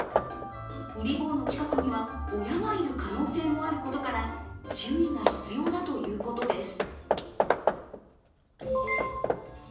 ウリ坊の近くには親がいる可能性もあることから注意が必要だということです。